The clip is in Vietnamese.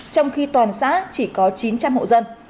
trong khi toàn xã chỉ có chín trăm linh hộ dân